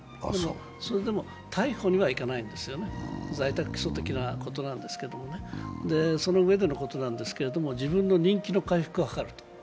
それでも逮捕にはいかないんですよね、在宅起訴的なことなんですがそのうえでのことなんですけど自分の人気の回復を図ると。